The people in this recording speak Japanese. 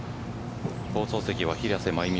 放送席は平瀬真由美